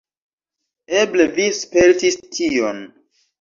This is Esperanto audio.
Eble vi spertis tion.